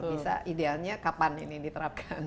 bisa idealnya kapan ini diterapkan